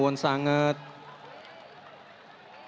orang yang berjaya